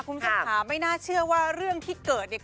คุณผู้ชมค่ะไม่น่าเชื่อว่าเรื่องที่เกิดเนี่ย